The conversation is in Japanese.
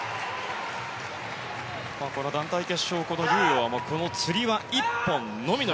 この団体決勝、リュウ・ヤンはつり輪１本のみの